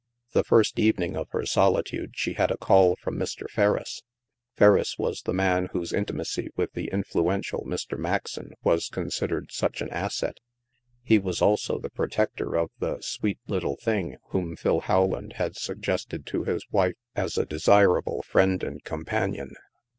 The first evening of her solitude she had a call from Mr. Ferriss. Ferriss was the man whose in timacy with the influential Mr. Maxon was con sidered such an asset; he was also the protector of the "sweet little thing" whom Phil Howland had suggested to his wife as a desirable friend and com panion.